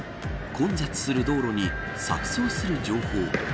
混雑する道路に錯綜する情報。